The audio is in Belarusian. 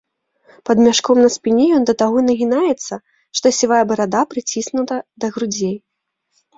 Пад мяшком на спіне ён да таго нагінаецца, што сівая барада прыціснута да грудзей.